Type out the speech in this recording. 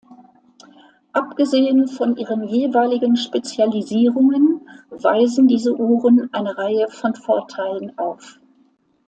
Abgesehen von ihren jeweiligen Spezialisierungen weisen diese Uhren eine Reihe von Vorteilen auf.